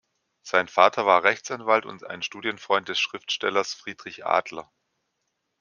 Sein Vater war Rechtsanwalt und ein Studienfreund des Schriftstellers Friedrich Adler.